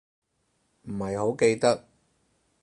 唔係好記得